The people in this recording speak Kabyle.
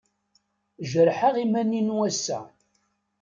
Jerḥeɣ iman-inu ass-a.